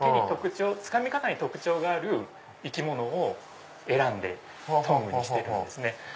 つかみ方に特徴がある生き物を選んでトングにしているんですね。